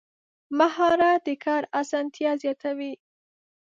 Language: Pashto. مهارت د کار اسانتیا زیاتوي.